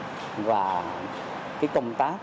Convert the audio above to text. rõ ràng thì chúng tôi